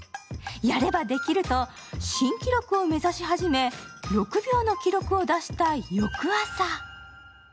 やればできると、新記録を目指し始め、６秒の記録を出した翌朝。